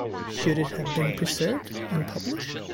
Should it have been preserved and published?